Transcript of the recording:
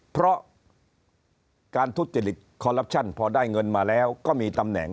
เพราะการทุจริตคอลลับชั่นพอได้เงินมาแล้วก็มีตำแหน่ง